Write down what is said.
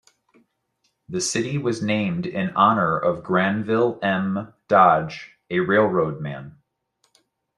The city was named in honor of Granville M. Dodge, a railroad man.